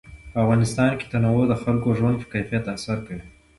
په افغانستان کې تنوع د خلکو د ژوند په کیفیت تاثیر کوي.